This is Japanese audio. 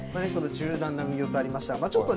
柔軟な運用とありました。